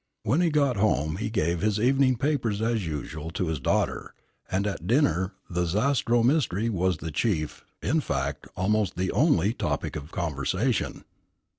When he got home he gave his evening papers as usual to his daughter, and at dinner the Zastrow mystery was the chief, in fact almost the only, topic of conversation.